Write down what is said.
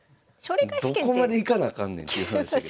どこまでいかなあかんねんっていう話やけど。